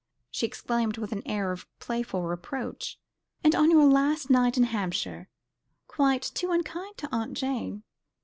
she exclaimed with an air of playful reproach, "and on your last night in Hampshire quite too unkind to Aunt Jane."